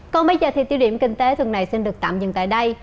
còn bây giờ thì tiêu điểm kinh tế tuần này xin được tạm dừng tại đây